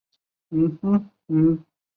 内务府正白旗满洲佐领下人。